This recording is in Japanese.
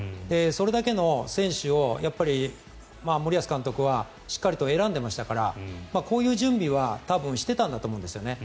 それだけの選手を森保監督はしっかりと選んでましたからこういう準備は多分してたと思うんですよね。